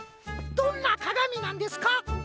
どんなかがみなんですか？